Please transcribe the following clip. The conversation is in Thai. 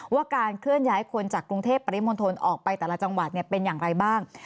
ว่าการเคลื่อนย้ายคนจากกรุงเทพปริมณฑลออกไปแต่ละจังหวัดเป็นอย่างไรบ้าง